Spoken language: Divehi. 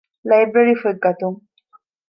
ލައިބްރަރީފޮތް ގަތުން